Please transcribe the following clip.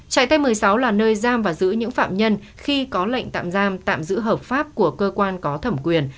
trại t một mươi sáu là nơi giam và giữ những phạm nhân khi có lệnh tạm giam tạm giữ hợp pháp của cơ quan có thẩm quyền